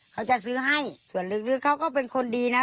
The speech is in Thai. เขาจะซื้อให้ส่วนลึกเขาก็เป็นคนดีนะ